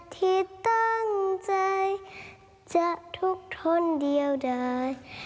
ที่ตั้งใจจะทุกทนเดียวได้